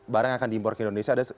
barang yang akan diimpor ke indonesia